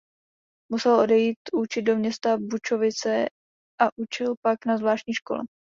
Musel odejít učit do města Bučovice a učil pak na zvláštní škole.